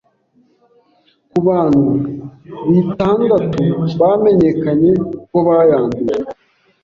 ku bantu bitandatu bamenyekanye ko bayanduye